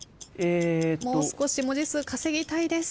もう少し文字数稼ぎたいです。